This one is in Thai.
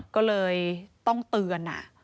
ก็เลยต้องเตือน